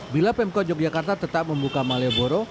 bila pemkot yogyakarta tetap membuka malioboro